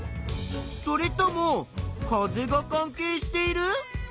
それとも風が関係している？